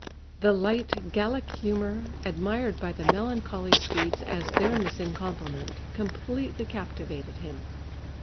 The light Gallic humour, admired by the melancholy Swedes as their missing complement, completely captivated him.